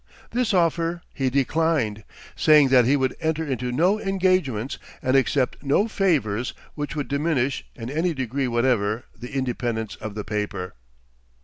This offer he declined, saying that he would enter into no engagements and accept no favors which would diminish, in any degree whatever, the independence of the paper.